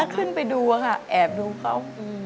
ขึ้นไปดูค่ะแอบดูเขา